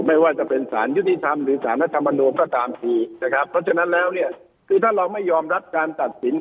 ไม่ว่าจะเป็นสารยุติธรรมหรือสารนักธรรมนโลกเพราะตามที